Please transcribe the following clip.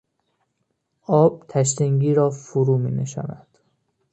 آب تشنگی را فرو مینشاند.